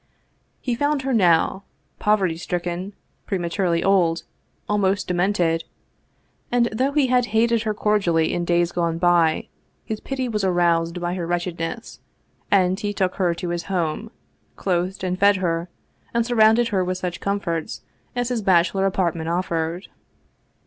He found her now, poverty stricken, prematurely old, almost demented, and, though he had hated her cordially in days gone by, his pity was aroused by her wretchedness, and he took her to his home, clothed and fed her, and surrounded her with such comforts as his bachelor apartment offered.